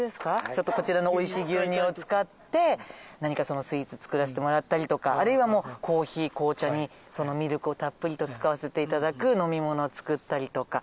ちょっとこちらの美味しい牛乳を使って何かそのスイーツ作らせてもらったりとかあるいはもうコーヒー紅茶にそのミルクをたっぷりと使わせて頂く飲み物を作ったりとか。